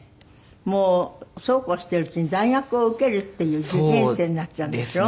もうそうこうしているうちに大学を受けるっていう受験生になっちゃうんでしょ？